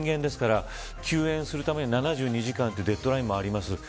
人間ですから救援するために７２時間というデッドラインもあります。